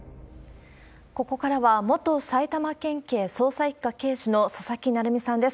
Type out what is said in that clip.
ここからは元埼玉県警捜査一課刑事の佐々木成三さんです。